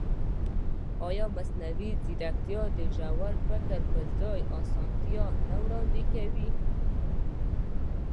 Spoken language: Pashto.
ایا مصنوعي ځیرکتیا د ژور فکر پر ځای اسانتیا نه وړاندې کوي؟